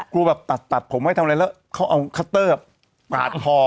กลัวแบบตัดผมไว้ทำอะไรแล้วเขาเอาคัตเตอร์ปาดคอ